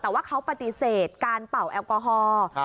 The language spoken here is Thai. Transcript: แต่ว่าเขาปฏิเสธการเป่าแอลกอฮอล์